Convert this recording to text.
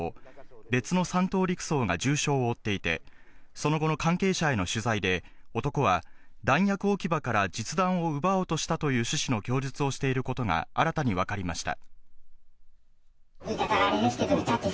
別の３等陸曹が重傷を負っていて、その後の関係者への取材で男は弾薬置き場から実弾を奪おうとしたという趣旨の供述をしていることが新たにわかりました。